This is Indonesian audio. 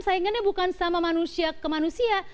saingannya bukan sama manusia ke manusia